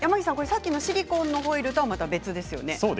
さっきのシリコンのホイルとは違いますね。